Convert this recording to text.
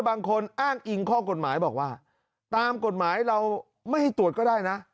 บางคนอ้างอิงข้อกฎหมายบอกว่าตามกฎหมายเราไม่ให้ตรวจก็ได้นะ